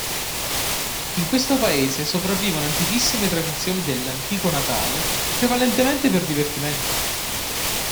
In questo paese sopravvivono antichissime tradizioni dell'"antico Natale", prevalentemente per divertimento.